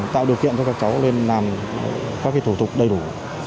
tạo điều kiện cho các cháu lên làm các thủ tục đầy đủ